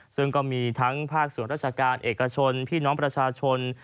ซึ่งก็มีทั้งภาคส่วนราชการเอกชนพี่น้องประชาชน